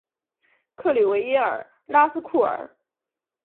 克吕维耶尔拉斯库尔。